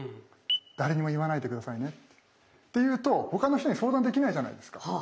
「誰にも言わないで下さいね」って言うと他の人に相談できないじゃないですか。